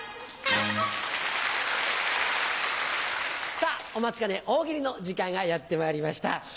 さぁお待ちかね大喜利の時間がやってまいりました。